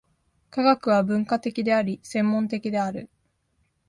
科学は分科的であり、専門的である。